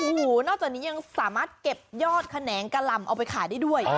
โอ้โหนอกจากนี้ยังสามารถเก็บยอดแขนงกะลำเอาไปขายได้ด้วย